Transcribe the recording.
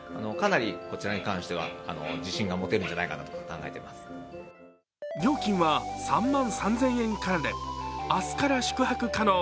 そして今回料金は３万３０００円からで明日から宿泊可能。